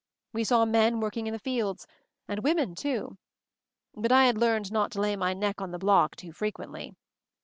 We saw men working in the fields — and women, too ; but I had learned not to lay my neck on the block too frequently.